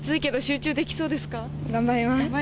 頑張ります。